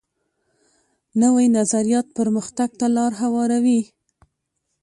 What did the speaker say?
نوی نظریات پرمختګ ته لار هواروي